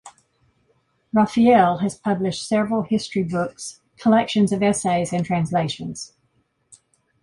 Raphael has published several history books, collections of essays and translations.